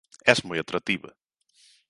Es moi atractiva.